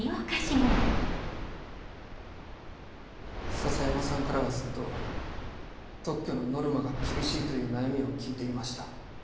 篠山さんからはずっと特許のノルマが厳しいという悩みを聞いていました。